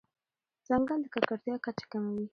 ځنګل د ککړتیا کچه کموي.